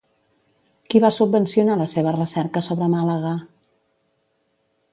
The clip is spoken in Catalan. Qui va subvencionar la seva recerca sobre Màlaga?